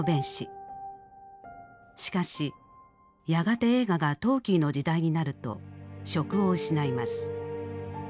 しかしやがて映画がトーキーの時代になると職を失います。